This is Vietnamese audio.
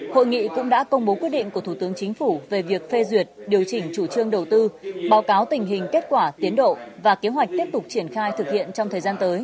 hội nghị cũng đã công bố quyết định của thủ tướng chính phủ về việc phê duyệt điều chỉnh chủ trương đầu tư báo cáo tình hình kết quả tiến độ và kế hoạch tiếp tục triển khai thực hiện trong thời gian tới